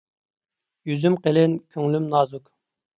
يۈزۈم قېلىن، كۆڭلۈم نازۇك.